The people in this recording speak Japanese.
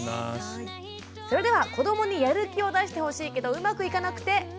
それでは子どもにやる気を出してほしいけどうまくいかなくて困っている最初のお悩みです。